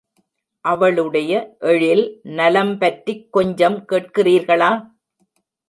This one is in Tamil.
அவளுடைய எழில் நலம்பற்றிக் கொஞ்சம் கேட்கிறீர்களா?